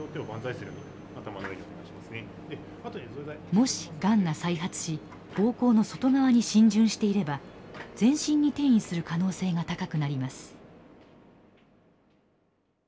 もしがんが再発し膀胱の外側に浸潤していれば全身に転移する可能性が高くなります。